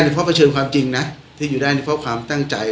เพราะเผชิญความจริงนะที่อยู่ได้นี่เพราะความตั้งใจ